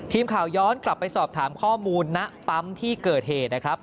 ทีมข่าวย้อนกลับไปสอบถามข้อมูลณปั๊มที่เกิดเหตุนะครับ